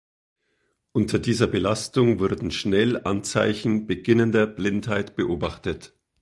Unter dieser Belastung wurden schnell Anzeichen beginnender Blindheit beobachtet.